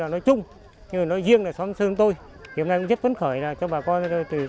nói chung nói riêng là xóm sơn tôi thì hôm nay cũng rất phấn khởi cho bà con